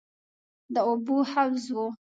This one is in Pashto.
د اوبو حوض و.